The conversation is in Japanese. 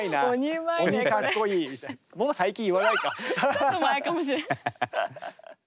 ちょっと前かもしれない。